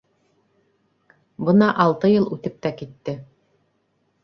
Бына алты йыл үтеп тә китте...